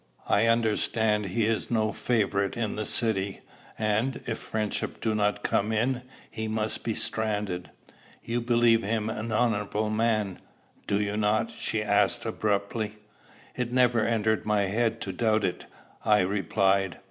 I understand he is no favorite in the city; and, if friendship do not come in, he must be stranded. You believe him an honorable man, do you not?" she asked abruptly. "It never entered my head to doubt it," I replied.